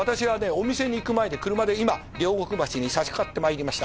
お店に行く前に車で今両国橋にさしかかってまいりました